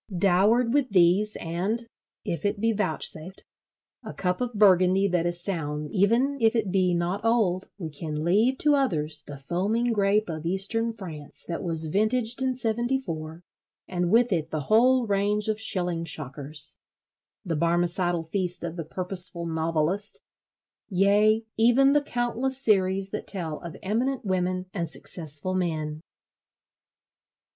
Dowered with these and (if it be vouchsafed) a cup of Burgundy that is sound even if it be not old, we can leave to others the foaming grape of Eastern France that was vintaged in '74, and with it the whole range of shilling shockers,—the Barmecidal feast of the purposeful novelist—yea, even the countless series that tell of Eminent Women and Successful Men.